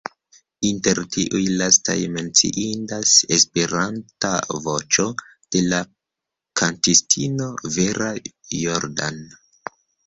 Inter tiuj lastaj menciindas "Esperanta Voĉo", de la kantistino Vera Jordan.